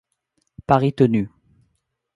Pari tenu.